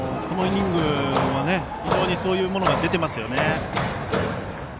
このイニングも非常にそういうものが出ていますよね。